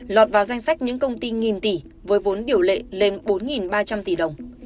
lọt vào danh sách những công ty nghìn tỷ với vốn điều lệ lên bốn ba trăm linh tỷ đồng